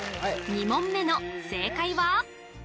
２問目の正解は？